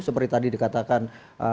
seperti tadi dikatakan